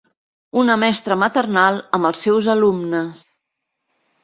Una mestra maternal amb els seus alumnes.